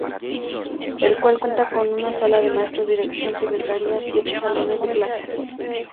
El cual cuenta con sala de maestros, Dirección, Secretaria, Siete salones de clases.